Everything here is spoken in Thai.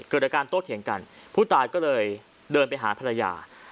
เกิดอาการโต้เถียงกันผู้ตายก็เลยเดินไปหาภรรยา